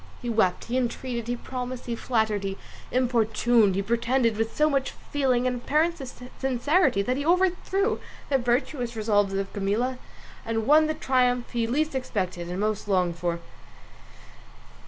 He wept, he entreated, he promised, he flattered, he importuned, he pretended with so much feeling and apparent sincerity, that he overthrew the virtuous resolves of Camilla and won the triumph he least expected and most longed for.